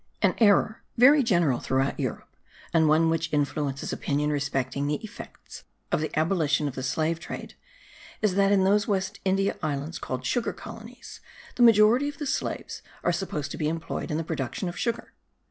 An error, very general through Europe and one which influences opinion respecting the effects of the abolition of the slave trade, is that in those West India islands called sugar colonies, the majority of the slaves are supposed to be employed in the production of sugar.